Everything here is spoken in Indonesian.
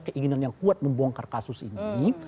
keinginan yang kuat membongkar kasus ini